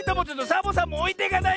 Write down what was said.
サボさんもおいてかないで！